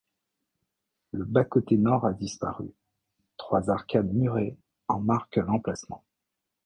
Le bas-côté nord a disparu, trois arcades murées en marquent l'emplacement.